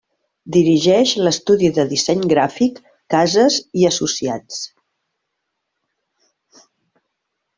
Dirigeix l'estudi de disseny gràfic Cases i associats.